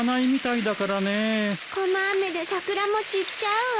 この雨で桜も散っちゃうわ。